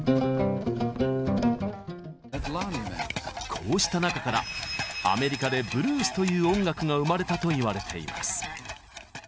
こうした中からアメリカでブルースという音楽が生まれたといわれています。